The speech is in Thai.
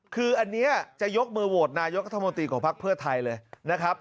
คืออันนี้จะยกมือโหวตนายกรัฐมนตรีของภักดิ์เพื่อไทยเลยนะครับ